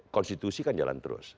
konstitusi kan jalan terus